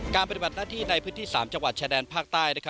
ปฏิบัติหน้าที่ในพื้นที่๓จังหวัดชายแดนภาคใต้